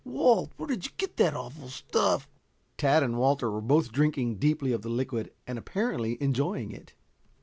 Walt, where did you get that awful stuff?" Tad and Walter were both drinking deeply of the liquid and apparently enjoying it.